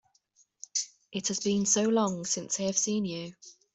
It has been so long since I have seen you!